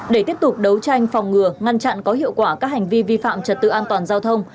để tiếp tục đấu tranh phòng ngừa ngăn chặn có hiệu quả các hành vi vi phạm trật tự an toàn giao thông